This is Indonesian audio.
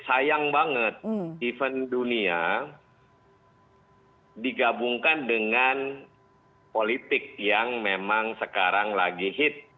sayang banget event dunia digabungkan dengan politik yang memang sekarang lagi hit